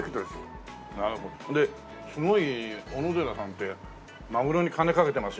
ですごいおのでらさんってマグロに金かけてますよね。